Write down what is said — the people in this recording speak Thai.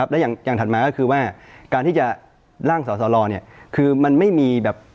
และอย่างถัดมาก็คือว่าการที่จะล่างสอสลคือมันไม่มีแบบ